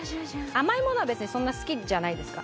甘いものは別にそんな好きじゃないですか？